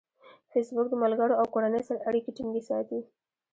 فېسبوک د ملګرو او کورنۍ سره اړیکې ټینګې ساتي.